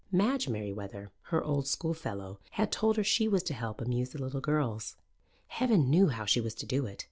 Madge Merewether, her old schoolfellow, had told her she was to help amuse the little girls. Heaven knew how she was to do it.